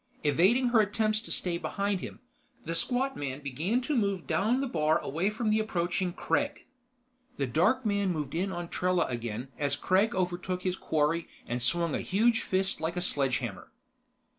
Evading her attempts to stay behind him, the squat man began to move down the bar away from the approaching Kregg. The dark man moved in on Trella again as Kregg overtook his quarry and swung a huge fist like a sledgehammer.